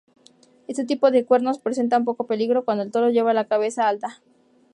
Este tipo de cuernos presentan poco peligro cuando el toro lleva la cabeza alta.